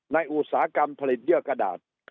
อุตสาหกรรมผลิตเยื่อกระดาษ